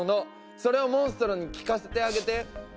それをモンストロに聴かせてあげて。